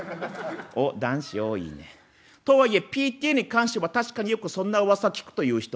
おっ男子多いね。とはいえＰＴＡに関しては確かによくそんなうわさ聞くという人？」。